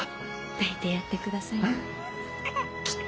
抱いてやってくださいな。